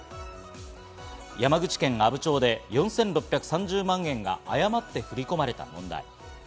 山口県阿武町で４６３０万円が誤って振り込まれた問題。